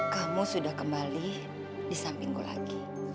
kamu sudah kembali di samping gue lagi